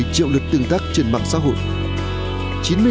bảy triệu lượt tương tác trên mạng xã hội